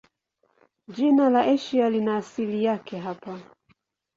Jina la Asia lina asili yake hapa.